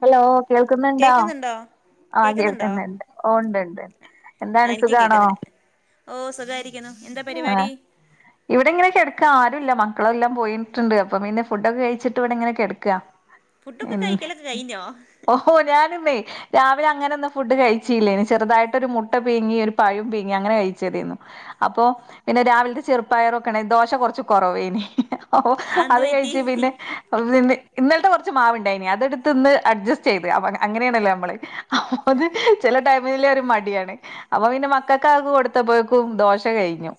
Hello കേൾക്കുന്നുണ്ടോ? കേക്കുന്നുണ്ടോ ആ കേക്കുന്നുണ്ടോ കേൾക്കുന്നുണ്ട് ഓ ഉണ്ട്ണ്ട്ണ്ട് ആ എന്താണ് എനിക്കും സുഖാണോ? കേക്കുന്നുണ്ട് ഓ സുഖായിരിക്കുന്നു എന്താ ആഹ് പരിപാടി ഇവിടെ ഇങ്ങനെ ക്കെടക്ക ആരുല്ല മക്ക ളെല്ലാം പോയിട്ടുണ്ട് അപ്പം പിന്നെ ഫുഡൊക്കെ കഴിച്ചിട്ട് ഇവിടെ ഇങ്ങനെ ക്കെടക്ക ഫുഡൊക്കെ എ കഴിക്കലൊക്കെ കഴിഞ്ഞോ ഓഹോ ഞാനിന്നെ രാവിലെ അങ്ങനെ ഒന്നും ഫുഡ് കഴിച്ചില്ലേനി ചെറുതായിട്ട് ഒരു മുട്ട പീങ്ങി ഒരു പഴും പീങ്ങി അങ്ങനെ കഴിച്ചതെന്നു അപ്പൊ പിന്നെ രാവിലത്തെ ചെറുപ്പായറോക്കെണ്ടെനി ദോശ കുറച്ച് കുറവേനി ആ എന്ത് അത് പറ്റി കഴിച്ചു പിന്നെ അ പിന്നെ ഇന്നലത്തെ കുറച്ച് മാവ്ണ്ടായിനി അതെടുത്ത് ഇന്ന് അഡ്ജസ്റ്റ് ചെയ്ത് അങ്ങനെയാണല്ലോ നമ്മൾ അത് ചെല ടൈമിൽ ഒരു മടിയാണ് അപ്പൊ പിന്നെ മക്കൾക്കതൊക്കെ കൊടു പ്പോക്കും ദോശ കഴിഞ്ഞു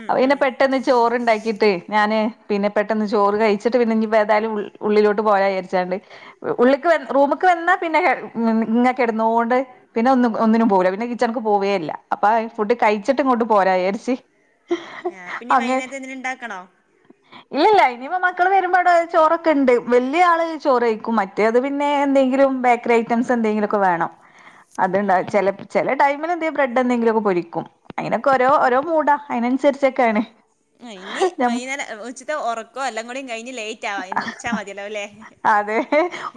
ഉം അപ്പോ പിന്നെ ഉം പെട്ടെന്ന് ചോറ് ണ്ടാക്കിട്ട് ഞാന് പിന്നെ പെട്ടന്ന് ചോറ് കഴിച്ചിട്ട് പിന്നെ ഇന്ജ്ജ് ഏതായാലും ഉള്ളിലോട്ട് പോവാ വിചാരിച്ചാണ്ട് ഉള്ളിക്ക് റൂമക്ക് വന്നാ പിന്നെ [unintelligible] ഇങ്ങ ക്കെടന്നൊണ്ട് പിന്നെ ഒന്നും ഒന്നിനും പോവൂല്ല പിന്നെ കിച്ചണക്ക് പോവേയില്ല അപ്പൊ ഫുഡ് കഴിച്ചിട്ട് ഇങ്ങോട്ട് പോരാ വിയാരിച്ചി ആഹ പിന്നീ വൈകുന്നേരതിന് എന്തേലും ഇണ്ടാക്കണോ? ഇല്ല ഇല്ല ഇനിയിപ്പോ മക്കൾ വരുമ്പോട ചോറൊക്കെ ഉണ്ട് വലിയ ആള് ചോറ് കയിക്കും മറ്റേ അത് പിന്നെ എന്തെങ്കിലും ബേക്കറി ഐറ്റംസ് എന്തെങ്കിലും ഒക്കെ വേണം അത്ണ്ടാ ചില ചില ടൈമിൽ എന്തേ ബ്രഡ് എന്തെങ്കിലു ഒക്കെ പൊരിക്കും അതിനൊക്കെ ഓരോ ഓരോ മൂടാ അതിനനുസരിച്ചൊക്കെണ് ഇനി വൈകുന്നേരം ഉച്ചത്തെ ഉറക്കോ എല്ലാം കൂടി കഴിഞ്ഞ് ലേറ്റ് ആവാ എണിച്ചാൽ മതിയല്ലോ ല്ലേ അതെ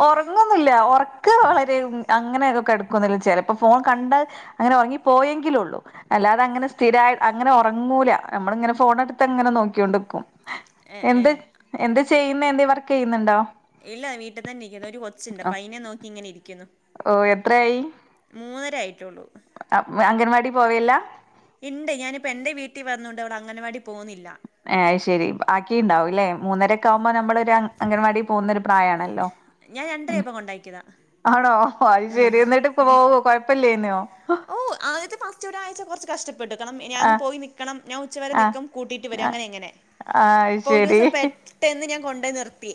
ഒറങ്ങൊന്നുല്ല ഒറക്ക് വളരെ ഉം അങ്ങനങ്ങ് കെട്ക്കൊന്നുല്ല ചെലപ്പോ ഫോൺ കണ്ടാൽ അങ്ങനെ ഒറങ്ങി പോയെങ്കിലൊള്ളൂ അല്ലാതങ്ങനെ സ്ഥിരായ് അങ്ങനെ ഒറങ്ങൂല നമ്മള് ങ്ങനെ ഫോണ് ട്ത്താ ങ്ങനെ നോക്കിയോണ്ടിക്കും. ഏ ഏ എന്ത് എന്ത് ചെയ്യുന്നെ എന്തേ വർക്കെയ്യുന്നുണ്ടോ? ഇല്ല വീട്ടിതെന്നിക്കുന്നു ഒരു കൊച്ചുണ്ട് പ്പയിനെ നോക്കിങ്ങനിരിക്കുന്നു ഓ എത്രയായി മൂന്നരായിട്ടുള്ളൂ അ അംഗൻവാടി പോവേല്ല ഇണ്ട് ഞാനിപ്പോ എന്റെ വീട്ടീ വന്നോണ്ട് അവള് അംഗൻവാടി പോവുന്നില്ല ഏ അയ്ശരി ആക്കീണ്ടാവുംല്ലേ മൂന്നരൊക്കാവുമ്പോ നമ്മളൊരു അംഗൻവാടി പോകുന്നൊരു പ്രായാണല്ലോ ഞാൻ രണ്ടരയപ്പം കൊണ്ടാക്കിയതാണ് ആണോ ഒ അയ്ശരി എന്നിട്ട് പോവോ കൊഴപ്യല്ലയ്നോ ഓ ആദ്യത്തെ പച്ച ഒരാഴ്ച കൊർച്ച് കഷ്ടപ്പെട്ട്ക്കണം ആ ഞാൻ പോയി നിക്കണം ഞാൻ ആ ഉച്ചവരെനിക്കും കൂട്ടീട്ട് വരും അങ്ങനിങ്ങനെ ആ അയ്ശെരി പെട്ടെന്ന് ഞാൻ കൊണ്ടോയ് നിർത്തി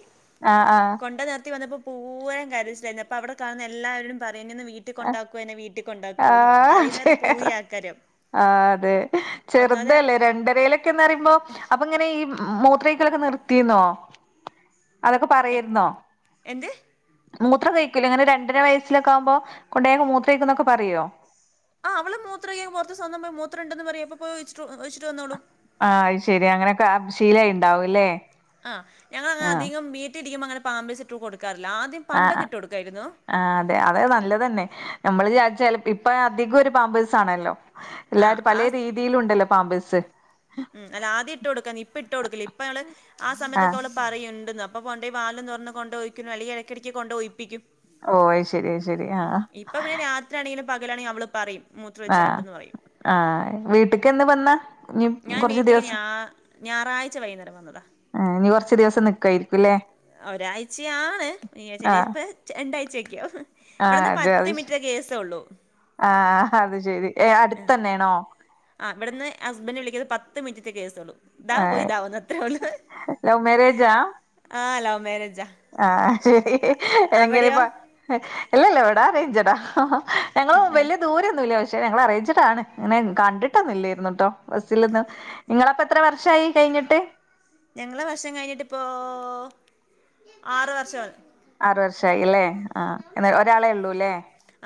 ആ ആഹ് കൊണ്ടേനിർത്തി വന്നപ്പോ പൂവ്വേന്ന് കരച്ചിലാരുന്നു അപ്പവടെ കാണുന്ന എല്ലാവരോടും പറയും എന്നൊന്ന് വീട്ടീ കൊണ്ടാക്കുവോ എന്നെ വീട്ടീ ആ ആ അതെ ഒന്നാതെ ചെറുതല്ലേ രണ്ടരയില ക്കുന്നറീമ്പോ അപ്പൊങ്ങനെ ഈ മൂത്രേക്കലൊക്കെ നിർത്തീന്നോ അതൊക്കെ എ- പറയേർന്നോ എന്ത് മൂത്രം സയ്ക്കൂലെ ങ്ങനെ രണ്ടര വയസ്സിലൊക്കാവുമ്പോ കൊണ്ടയാകുമ്പോ മൂത്രയ്ക്കന്നൊക്കെ പറയ്വോ ആ അവള് മൂത്രൊയ്ക്കാൻ പൊർത്ത് സ്വന്തം പോയി മൂത്രംണ്ടെന്ന് പറയും അപ്പൊ പോയി ഒയിച്ചിട്ട് ഒയിച്ചിട്ട് വെന്നോളും. ആഹ് അയ്ശെരി അങ്ങനൊക്കെ ശീലായീണ്ടാവുംല്ലേ ആ ഞങ്ങളെങ്ങനെ അധികം വീട്ടീർക്കുമ്പോ അങ്ങനെ പാമ്പേസിട്ട് കൊടുക്കാറില്ല ആദ്യം ആ് പണ്ടൊക്കെ ഇട്ട് കൊടുക്കായിരുന്നു ആ അതെ അത് നല്ലതന്നെ നമ്മള് ചാരിച്ചാൽ ഇപ്പയ്നതികോരു പാമ്പേഴ്സ് ആണല്ലോ ആ എല്ലാരും ആ പലേ രീതീലും തീലുണ്ടല്ലോ പാമ്പേഴസ് ഉം അല്ലാദ്യട്ട്ട്ക്കാൻ ഇപ്പൊട്ടൊടുക്കില ഇപ്പ ഞങ്ങള് ആ ആഹ് സമയത്തക്കവള് പറയുണ്ട്ന്ന് അപ്പൊകൊണ്ടോയ് വായ്ലും തുറന്ന് കൊണ്ടോയ് ഒയ്ക്കും അല്ലെങ്കി എടക്കടയ്ക്ക് കൊണ്ടോയ് ഒയ്പ്പിക്കും ഓ അയ്ശരി അയ്ശരി ആഹ പ്പൊപിന്നെ രാത്രിയാണെങ്കിലും പകലാണെങ്കിലും അവള് പറയും ആഹ് മൂത്രൊയ്ചാണ്ടെന്ന് പറയും ആഹ് വീട്ടിക്കെന്ന് വന്നാ ഇനി ഞാൻ കൊറച്ച് വീട്ടിക്ക് ദിവസം ഞാ ഞായറാഴ്ച വൈകുന്നേരം വന്നതാ ഏ ഞ്ഞി കൊർച്ച് ദിവസം നിക്കുവായിർക്കുംല്ലേ ഒരാഴ്ചയാണ് നി ചെലേപ്പോ രണ്ടാഴ്ചയായിർകും ആഹ് ജാതിഷ് ആഹ അത്ശെരി ഏ അടുത്തന്നേണോ ആ ഇവിടുന്ന് ഹസ്ബൻഡ് വിളിക്കുന്നത് പത്ത് മിനിറ്റത്തെ കേസ്സൊള്ളൂ ദാ പോയ് ആഹ് ദാ വെന്ന് അത്രേഒള്ള് ലവ് മാരേജാ ആ ലവ് മരേജാ ആഹ് അയ്ശരി എങ്ങനെയിപ്പ ഇല്ലല്ലാ ഇവിടറേഞ്ച്ടാ ഞങ്ങള് വല്ല്യ ദൂരൊന്നുല്ല പക്ഷേ ഞങ്ങളറേഞ്ച്ടാണ് ങ്ങനെ കണ്ട്ട്ടൊന്നല്ലേർന്നുട്ടോ ബസ്സിലൊന്നും നിങ്ങളപ്പെത്ര വർഷായി കയ്ഞ്ഞിട്ട് ഞങ്ങളെ വർഷം കഴിഞ്ഞിട്ടിപ്പോ ആറ് വർഷമാണ് ആറ് വർഷായില്ലേ ആ എന്ന ഒരാളെയുള്ളൂല്ലേ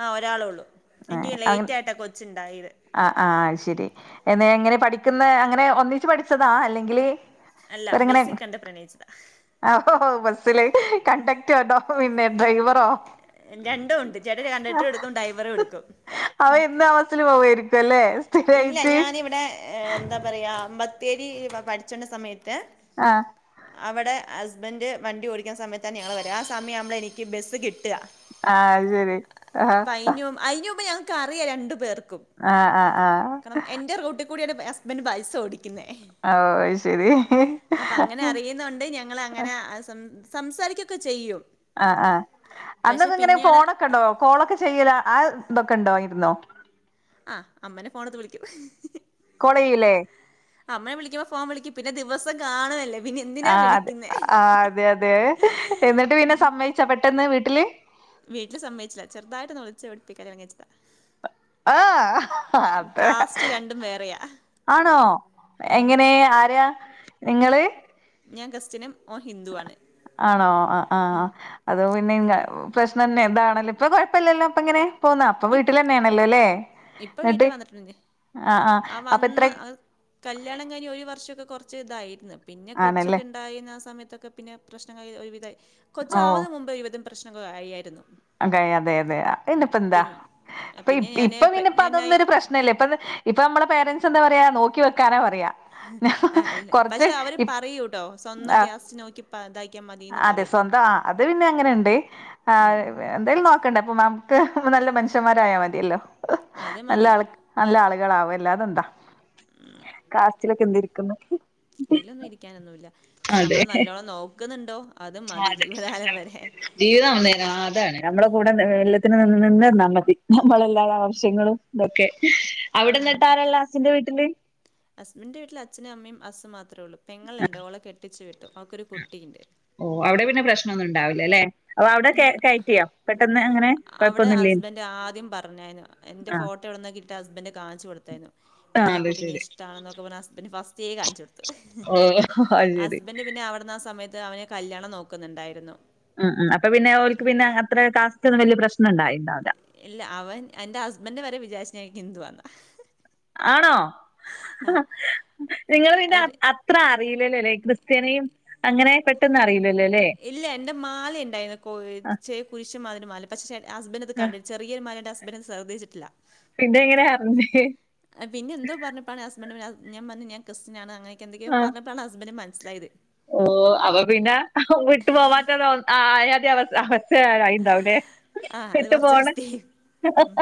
ആഹ് ഒരാളൊള്ളൂ എൻക്കീ ലേറ്റായിട്ടാ കൊച്ചുണ്ടായത് ആഹ് ആഹ് അയ്ശരി എന്നെ എങ്ങനെ പഠിക്കുന്നെ അങ്ങനെ ഒന്നിച്ച് പഠിച്ചതാ അല്ലെങ്കില് അല്ല ബെസ്സികണ്ട് പ്രണയിച്ചതാ ആ ഹോഹോ ബസ്സില് കണ്ടക്ടോട്ടോ പിന്നെ ഡ്രൈവറോ രണ്ടുവുണ്ട് ചേട്ട കണ്ടക്ടറുവെട്ക്കും ഡ്രൈവറുഎടുക്കും ബ സ്സില് പോവേർക്കുംല്ലേ ഇല്ല ഞാനിവിടെ ഏ ന്താ പറയാ ബത്തേരി പഠിച്ചണ്ട സമയത്ത് അഹ് അവിടെ ഹസ്ബൻഡ് വണ്ടി ഓടിക്കുന്ന സമയത്ത് തന്നെ ഞങ്ങൾ വരാ ആ സമയത്താവുമ്പോൾ എനിക്ക് ബസ്സ് കിട്ടുക അഹ് അത് ശെരി അഹ് അയിന്ന്മുമ്പ് ഞങ്ങക്ക് അറിയാം രണ്ടു പേർക്കും അഹ് അഹ് അഹ് ത്രം എന്റെ റൂട്ടിൽ കൂടിയണ് ഹസ്ബൻഡറ് ബസ് ഓടിക്കുന്നേ ഓഹ് അത് ശരി അപ്പൊ അങ്ങനെ അറിയുന്നുണ്ട് ഞങ്ങളാ അങ്ങനെ സം സംസാരിക്കൊക്കെ ചെയ്യും ആഹ് ആഹ് പക്ഷെ അന്നൊക്കെ ഇങ്ങനെ പിന്നെയാണ് ഫോണൊക്കെ ഉണ്ടോ കോളൊക്കെ ചെയ്യല ആ ഇതൊക്കെ ഉണ്ടോ ആയിരുന്നോ അഹ് അമ്മനെ ഫോണത് വിളിക്കും കോള്ചെയ്യുലേ അമ്മേവിളിക്കുമ്പ ഫോൺ വിളിക്കും പിന്നെ ദിവസം കാണുവല്ലേ പിന്നെ എന്തിനാ ആഹ് അതെ വിളിക്കുന്നെ ആഹ് അതെ അതെ എന്നിട്ട് പിന്നെ സമ്മയിച്ച പെട്ടെന്ന് വീട്ടില് വീട്ടിൽ സമ്മയിച്ചില്ല ചെറുതയ്ട്ടൊന്നു ഒളിച്ച് ഓടിപോയികല്യാണം കഴിച്ചതാ അഹ് അതെ കാസ്റ്റ് രണ്ടും വേറെയാ ആണോ ഉം എങ്ങനെ ആരെയാ നിങ്ങള് ഞാൻ ക്രിസ്ത്യനും ഓൻ ഹിന്ദു ആണ് ആണോ അഹ് അഹ് അത് പിന്നെ പ്രശ്നം തന്നെ ന്താണല്ലോ ഇപ്പ കുഴപ്പമില്ലല്ലോ ഇപ്പൊ എങ്ങനെ പോന്ന അപ്പൊ ഇപ് വീട്ടിൽ തന്നെയാണല്ലോ അല്ലേ ഇപ്പൊ വീട്ടിൽ വന്നിട്ടു ഞ്ഞിആ അപ്പൊ വന്ന് എത്ര കല്യാണം കഴിഞ് ഒരു വർഷക്കെ കുറച്ച് ഇതായിരുന്നു പിന്നെ ആണല്ലേ കൊച്ചൊക്കെ ഇ ണ്ടായി ആ സമയത്തൊക്കെ പിന്നെ പ്രശ്നങ്ങ ഒരുവിധയി ഓഹ് കൊച്ചാവുന്ന മുബേ ഒരു വിധം പ്രശ്നങ്ങൾ അയായിരുന്നു അതെ അതെ അതെ അയിനിപ്പന്താ പ്പ പിന്നെ ഇപ് ഞാന് ഇപ്പൊ പിന്നെപ്പൊ പ്രഗ്നന്റായി അതൊന്നൊരു പ്രശ് ന്നെലെ ഇപ്പ ഇപ്പൊ നമ്മളെ പേരൻറ്സ് എന്താ പറയാ നോക്കി വെക്കാനാ പറയാ [unintelligible] അഹ് അല്ലേ കൊറച്ച് പക്ഷെ അവര് പറയൂട്ടോ സ്വന്തം ആ കാസ്റ്റ് നോക്കി ഇതാക്കിയാ മതിന്ന് അതെ പറയും സ്വന്തം ആ അത് പിന്നെ അങ്ങനെുണ്ട് ആ എന്തായാലും നോക്കണ്ടേ അപ്പൊ മ്മാംക്ക് നല്ല മനുഷ്യന്മാരായ മതിയല്ലോ അത് നല്ല മതി. ആൾ നല്ല ആളുകളാവും അല്ലാതെന്താ കാസ്റ്റിലൊക്കെ എന്ത് ഇരിക്കുന്നു അയ്ലൊന്നും ഇരിക്കാനൊന്നുല്ല പക്ഷെ നമ്മളെ നല്ലോണം നോക്കുന്നുണ്ടോ അതു മതി ജീവകാലം വരെ ജീവിത ഒന്നേനാൽ അതാണ് നമ്മളെ കൂടെ എ എല്ലത്തിനും നിന്നന്നാ മതി നമ്മളെല്ലാരെ ആവശ്യങ്ങളും തൊക്കെ അവിടെന്ന് ട്ടാരാള്ളെ ഹസ്സിന്റെ വീട്ട്ല് ഹസ്ബിന്റെ വീട്ടിൽ അച്ഛനും അമ്മയും ഹസും മാത്രേ ഉള്ളൂ പെങ്ങള്ണ്ട് ഓളെ കെട്ടിച്ചു വിട്ടു അവക്കൊരു കുട്ടിണ്ട് ഓ അവിടെ പിന്നെ പ്രെശ്നം ഒന്നു ഉണ്ടാവില്ല ലേ അപ്പൊ അവ്ടെ ക കയ്റ്റിയോ അവ്ടെ ഹസ്ബന്റ് ആദ്യം പറഞെനു എന്റെ ആ ഫോട്ടോ എവിടുന്നോ കിട്ടി ഹസ്ബന്റ് കാൺച്ചൊട് ത്തെനു ആ എനിക്കിങ്ങിനെ അത് കുട്ടിനെ ശരി ഇഷ്ട്ടാണെന്നൊക്കെ പറഞ്ഞു ഹസ്ബന്റ് ഫസ്റ്റേ കാണിച്ചൊട് ടുത്തു ഓ അത് ശരി ഹസ്ബന്റ് പിന്നെ അവിട്ന്ന് ആ സമയത്ത് അവനെ കല്യാണം നോക്കുന്നുണ്ടായിരുന്നു ഉം ഉം അപ്പൊ പിന്നെ ഓൽക്ക് പിന്നെ അത്ര കാസ്റ്റ് ഒന്നും വല്ല്യ പ്രശ്നം ണ്ടായിണ്ടാവ് ല ഇല്ല അവൻ എന്റെ ഹസ്ബന്റ് വരെ വിചാര്ച്ച് ഞാൻ ഹിന്ദുവാന്ന് ആണോ ആ നിങ്ങള് പിന്നെ ആ അവിടെ അത്ര അറിയില്ലല്ലോ ലേ ഈ ക്രിസ്ത്യാനിയും അങ്ങനെ പെട്ടെന്ന് അറിയില്ലല്ലോ ലേ ഇല്ല എന്റെ മാല ഇണ്ടായിരുന്നു കോ ആ, ചെ കുരിശ് മതിരി മാല പക്ഷെ ഹസ്ബന്റ് അത് ആ. കണ്ടി ചെറിയരു മാലന്റെ ഹസ് സ്ബന്റത് ശ്രദ്ധിച്ചിട്ടില്ല പിന്ന എങ്ങനെയ അറിഞ്ഞേ പിന്നെ എന്തോ പറഞ്ഞപ്പാണ് ഹസ്ബന്റ് ഞാ പർഞ്ഞു ഞൻ ക്രിസ്ത്യനാണ് അങ്ങനൊക്കെന്തൊക്കെയോ ആ പർഞ്ഞ പ്പളാണ് ഹസ്ബന്റ്ന് മനസ്സിലായത് ഓ അപ്പൊ പിന്നെ വിട്ടു പോവാറ്റരവസ് ആയാറ്റെ അവസ്ഥ അവസ് സ്ഥേ ആയിണ്ടാവു ലേ വിട്ടു പോണ ഉം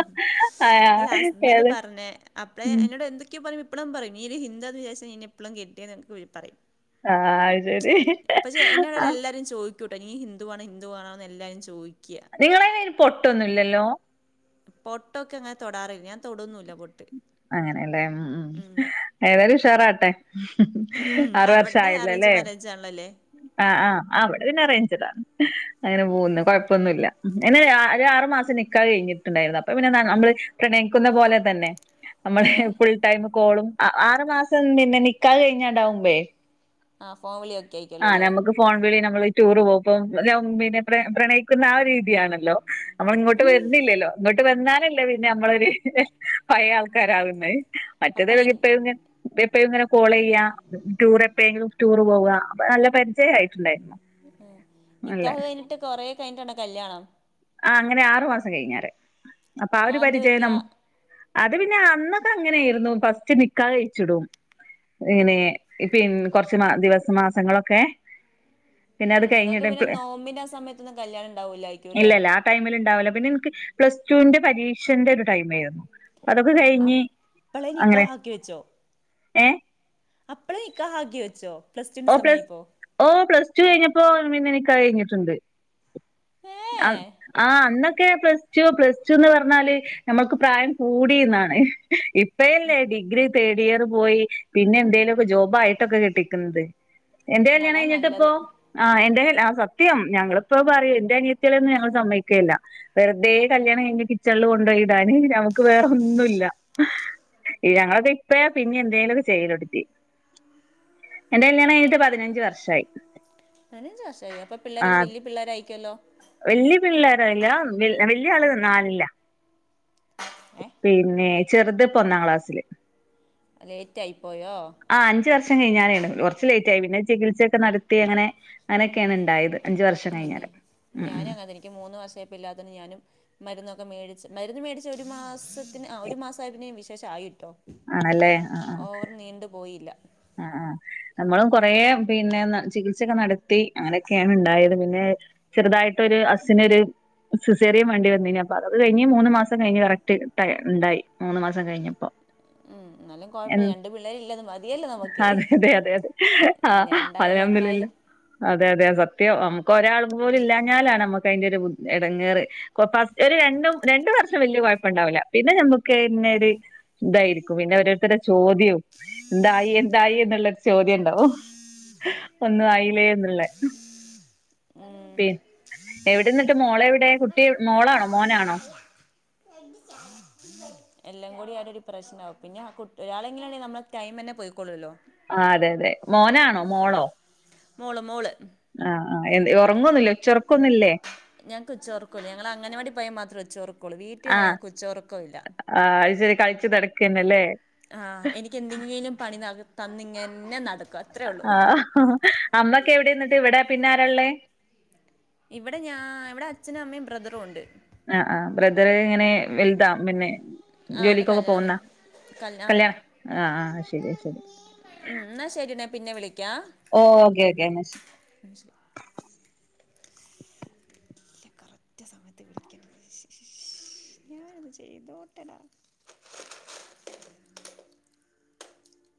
ആ അല്ല ഹസ്ബന്റ് ഏത് പർഞ്ഞെ അപ്പഴേ ഉം എന്നോട് എന്തൊ ക്ക് പറയുമ്പൊ ഇപ്പോഴും പറയും നീ ഒരു ഹിന്തു ആന്ന് വിചാരിച്ച നിന്നെ ഇപ്പ്ളും കെട്ടിയത് ന്ന്ക്കെ പറയും ആഹ് ആഹ് പക്ഷെ എന്നോട് എല്ലാരും ചോദിക്കൂട്ടൊ നീ ഹിന്ദുവാണോ ഹിന്തുവാണോന്ന് എല്ലാരും ചോയിക്ക നിങ്ങളേലയ്ന് പൊട്ടൊന്നും ഇല്ലല്ലോ പൊട്ടൊക്കെ അങ്ങനെ തൊടാറില്ല ഞാൻ തൊടൊന്നില്ല പൊട്ട് അങ്ങനെയല്ലേ ഉം ഉം ഏതായാലും ഉഷാറാവട്ടെ ഉം ആറ് അവടെ വർഷായല്ലോ അറേഞ്ച് ലേ മാരേജാണല്ലോല്ലേ? ആ ആ ആ ഇവിടെ പിന്നെ അറേഞ്ച്ടാ അങ്ങനെ പോകുന്നു കൊഴപ്പൊന്നുല്ല ഇങ്ങനെ ഒരു ആറ് മാസം കഴിഞ്ഞിട്ടുണ്ടായിരുന്നു അപ്പൊ പിന്നെ നമ്മള് പ്രണയിക്കുന്ന പോലെ തന്നെ നമ്മള് ഏഹ് ഫുൾ ടൈം കോളും ആറു മാസം പിന്നെ നിക്കാഹ് കഴിഞ്ഞാണ്ടാവുമ്പേ ആ ഫോൺ വിളി ഒക്കെ ആയിരിക്കല്ലോ ആഹ് ല്ലേ നമുക്ക് ഫോൺ വിളി നമ്മള് ടൂറ് പോക്കും ഞമ് പിന്നെ പ്രൺ പ്രണയിക്കുന്ന ആ രീതിയാണല്ലോ നമ്മൾ ഇങ്ങോട്ട് വര്ന്നില്ലല്ലോ ഇങ്ങട്ട് വന്നാലല്ലേ പിന്നെ നമ്മളൊരു പഴയ ആൾക്കാരാകുന്നേ അപ്പ മറ്റേത് നി പിന്നെ എപ്പഴും ന്നെ എപ്പ എപ്പഴും ങ്ങനെ കോളെയ്യാ ടൂർ എപ്പഴെങ്കിലും ടൂറ് പോവുക അപ്പൊ നല്ല പരിചയം ആയിട്ടുണ്ടായിര്ന്നു ആ നിക്കാഹ് കഴിഞ്ഞിട്ട് കൊറെ കഴിഞ്ഞിട്ടാണോ കല്യാണം ആ അങ്ങനെ ആറു മാസം കഴിഞ്ഞാരെ അപ്പൊ ആ ഒരു അതെന്ത് പരിചയം പറ്റിയാ? നമ്മു അത് പിന്നെ അന്നൊക്കെ അങ്ങനെയായിരുന്നു ഫസ്റ്റ് നിക്കാഹ് കഴിച്ചിടും ഇങ്ങനെ പി ന്നെ കൊർച്ച് മാ ദിവസ മാസങ്ങളൊക്കെ പിന്നെ ആ അത് നിങ്ങക്ക് കഴിഞ്ഞിട്ട് പിന്നെ പ്ല നോമ്പിന്റെ ആ സമയത്തൊന്നും കല്യാണണ്ടാവൂല ഇല്ലല്ല ആ ടൈമിലുണ്ടാവില്ല പിന്നെ ഇൻക്ക് പ്ലസ് ടുവിന്റെ പരീക്ഷന്റെ ഒരു ടൈം ആയിരുന്നു അതൊക്കെ ഏ കഴിഞ്ഞ് അപ്പളെ അങ്ങനെ നിക്കാഹ് ഏ അപ്പളേ നിക്കാഹ് ആക്കി വെച്ചോ പ്ലസ്ടുവിന് ഓ പ്ലസ് സമയായപ്പോ ഓ പ്ലസ്ടു കഴിഞ്ഞപ്പോ പിന്നെ നിക്കാഹ് കഴിഞ്ഞിട്ടുണ്ട് ഏ ആ അന്നൊക്കെ പ്ലസ്ടു പ്ലസ്ടുന്ന് പർഞ്ഞാല് നമുക്ക് പ്രായം കൂടിന്നാണ് ഇപ്പയല്ലേ ഡിഗ്രി തേർഡ് ഇയർ പോയി പിന്നെ എന്തേലൊക്കെ ജോബായിട്ടൊക്കെ കെട്ടിക്കുന്നത് എന്റെ കല്യാണം അതാ കഴിഞ്ഞിട്ടിപ്പോ നല്ലത് ആ എന്റെ ആ സത്യം ഞങ്ങളിപ്പോ പറയും എന്റെ അനിയത്തികളെന്നും ഞങ്ങൾ സമ്മയിക്കലില്ല വെറുതെ കല്യാണം കഴിഞ്ഞ് കിച്ചൺല് കൊണ്ടോയി [unintelligible] നമുക്ക് വേറെ ഒന്നുല്ല പിന്നെ ഞങ്ങളൊക്കെ ഇപ്പേ പിന്നെ എന്തേലൊക്കെ ചെയ്യലൊട്ത്തി കല്യാണം കഴിഞ്ഞിട്ട് പതിനഞ്ച് വർഷായി പതിനഞ്ച് വർഷായോ അപ്പൊ പിള്ളേരൊക്കെ വലിയ പിള്ളേരായിരിക്കുല്ലോ വല്യ പിള്ളേരായില്ല വല്യ ആള് നാലിലാ ഏ പിന്നെ ചെറുതിപ്പ ഒന്നാം ക്ലാസ്സില് ലേറ്റ് ആയി പോയോ ആ അഞ്ച് വർഷം കഴിഞ്ഞാണ് കുറച്ച് ലേറ്റ് ആയി പിന്നെ ചികിത്സയൊക്കെ നടത്തി അങ്ങനെ അങ്ങനെക്കെയാണ് ഉണ്ടായത് അഞ്ച് വർഷം പിന്നെ കഴിഞ്ഞാരെ ഞാനും അങ്ങന തന്നെ ഇൻക്ക് മൂന്ന് വർഷായപ്പം ഇല്ലാത്തിന് ഞാനും മരുന്നൊക്കെ മേടിച്ച് മരുന്ന് മേടിച്ച് ഒരു മാസ ത്തിന് ഒരു മാസായപ്പേന് വിശേഷായിട്ടോ ആണല്ലേ ആ ഓവർ നീണ്ടു പോയില്ല ആഹ് ആഹ് നമ്മളും കൊറേ പിന്നെ ചികിത്സൊക്കെ നടത്തി അങ്ങനെയൊക്കെയാണ് ഉണ്ടായത് പിന്നെ ചെറുതായിട്ടൊരു ഹസ്സിനൊരു സിസേറിയൻ വേണ്ടി വന്നീനി അപ്പൊ അതൊക്കെ കഴിഞ്ഞ് മൂന്ന് മാസം കഴിഞ്ഞ് കറക്ട് ഉണ്ടായി മൂന്ന് മാസം കഴിഞ്ഞപ്പോ ഉം എന്നാലും എൻ കൊഴപ്പല്ല രണ്ട് പിള്ളേര് ഇല്ലെ അത് മതി അതെ അതെ അതെ അതെ ആ രണ്ടായാലും അൽഹംദുലില്ലാ ഒന്നായാലും അതെ അതെ സത്യം നമുക്ക് ഒരാൾ പോലും ഇല്ലാഞ്ഞാലാണ് നമുക്ക് അതിന്റെ ഒരു ബു എടങ്ങേറ് കൊ പാ ഒരു രണ്ടും രണ്ടു വർഷം വല്ല്യ കൊഴപ്പണ്ടാവില്ല പിന്നെ നമ്മക്ക് തന്നെ ഒര് ഇതായിരിക്കും പിന്നെ ഓരോരുത്തര്ടെ ചോദ്യാം എന്തായി എന്തായി എന്നുള്ള ചോദ്യം ഉണ്ടാവും ഒന്നും ആയിലേ എന്നുള്ള ഉം എവിടെന്നിട്ട് മോളെ എവിടെ കുട്ടി മോളാണോ മോനാണോ എല്ലാം കൂടി ആകെ ഒരു പ്രശ്നാവും പിന്നെ കു ഒരാളെങ്കിലും ണ്ടെങ്കി നമ്മെ ടൈം തന്നെ പോയിക്കോള്ളൂല്ലോ ആഹ് അതെ അതെ മോനാണോ മോളോ മോള് മോള് ആഹാ ആഹാ എന് ഒറങ്ങൊന്നൂല്ല്യേ ഉച്ച ഒറക്കൊന്നൂല്ല്യേ ഞങ്ങക്ക് ഉച്ചോർക്കുല്ല്യ ഞങ്ങ അങ്ങനവാടി പോയാ മാത്രമേ ഉച്ചോർക്കു കുളിതീറ്റ ആഹ് ഞങ്ങക്ക് ഉച്ചോർക്കം ഇല്ല ആഹ് അത് ശരി കളിച്ച് നടക്കന്നല്ലേ ആ എനിക്ക് എന്തെങ്കിലും പണി തന് തന്നിങ്ങനെ നടക്ക ആ അമ്മക്കെ എവിടെന്നിട്ട് ഇവിടെ പിന്നെ ആരാള്ളേ ഇവിടെ ഞാൻ ഇവിടെ അച്ഛനും അമ്മയും ബ്രദറും ഒണ്ട് ആഹ് ആഹ് ബ്രദർ എങ്ങനെ വലുതാ പിന്നെ ആ അവന് ജോലിക്കൊക്കെ കല്യാണം പോകുന്ന കല്യാ കല്യാണം ആഹ് ആഹ് ശരി ശരി ഉം എന്നാ ശരിനാ പിന്നെ വിളിക്കാം ഓക്കെ ഓക്കെ എന്നാ ശരി [unintelligible] ഇല്ല കറക്റ്റ് സമയത്ത് വിളിക്ക്ണത് ഞാനത് ചെയ്തോട്ടടാ